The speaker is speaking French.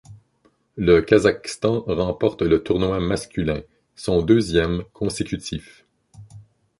Le Kazakhstan remporte le tournoi masculin, son deuxième consécutif.